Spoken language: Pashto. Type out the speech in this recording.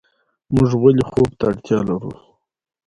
موږ ولې خوب ته اړتیا لرو